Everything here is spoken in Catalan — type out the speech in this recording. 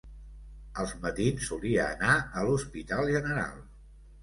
Als matins solia anar a l'Hospital General